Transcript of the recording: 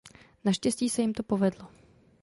Naštěstí se jim to povedlo.